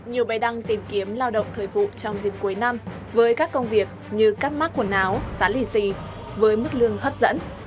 nhiều bài đăng tìm kiếm lao động thời vụ trong dịp cuối năm với các công việc như cắt mắt quần áo giá lì xì với mức lương hấp dẫn